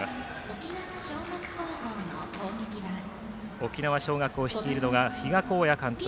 沖縄尚学を率いるのが比嘉公也監督。